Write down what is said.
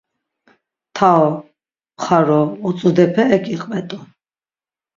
Tao, xaro, otzudepe ek iqvet̆u.